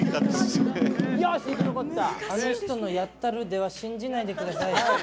あの人の、やったるでは信じないでください。